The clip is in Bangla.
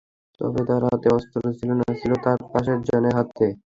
তবে তাঁর হাতে অস্ত্র ছিল না, ছিল তাঁর পাশের জনের হাতে।